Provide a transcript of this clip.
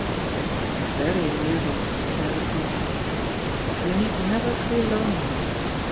It must be very amusing to have a conscience. You need never feel lonely.